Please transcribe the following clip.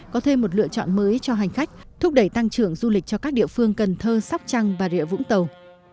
có thêm một lựa chọn mới cho hành khách thúc đẩy tăng trưởng du lịch cho các địa phương cần thơ sóc trăng bà rịa vũng tàu